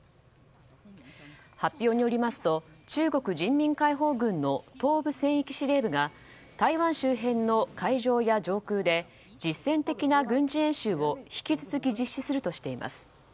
発表によりますと中国人民解放軍の東部戦域司令部が台湾周辺の海上や上空で実践的な軍事演習を引き続き実施するとしています。